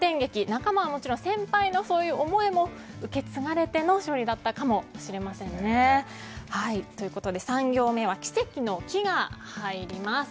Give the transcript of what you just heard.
仲間はもちろんそういう先輩の思いも受け継がれての勝利だったかもしれませんね。ということで３行目は奇跡の「キ」が入ります。